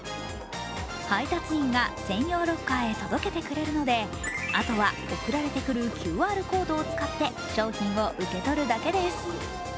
配達員が専用ロッカーへ届けてくれるので、あとは送られてくるＱＲコードを使って商品を受け取るだけです。